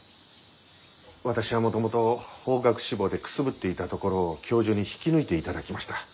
私はもともと法学志望でくすぶっていたところを教授に引き抜いていただきました。